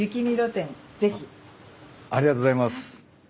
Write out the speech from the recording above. ありがとうございます。